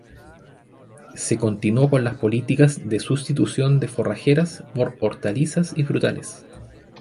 Se continuó con las políticas de sustitución de forrajeras por hortalizas y frutales.